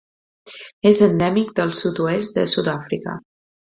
És endèmic del sud-oest de Sud-àfrica.